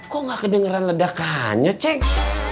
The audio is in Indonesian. kok nggak kedengeran ledakannya ceng